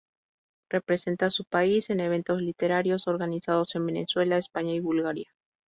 Representa a su país en eventos literarios organizados en Venezuela, España y Bulgaria.